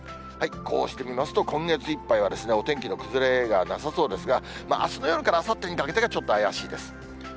こうして見ますと、今月いっぱいはお天気の崩れがなさそうですが、あすの夜からあさってにかけてが、ちょっと怪しいです。